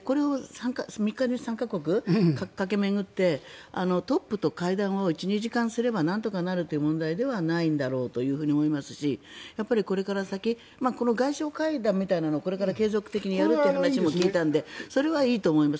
３日で３か国を駆け巡ってトップと会談を１２時間すればなんとかなる問題ではないだろうという気がしますしこれから先この外相会談みたいなのは継続的にやるとは聞いたのでそれはいいと思います。